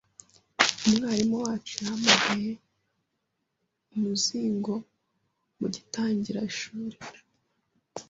Umwarimu wacu yahamagaye umuzingo mugitangira ishuri.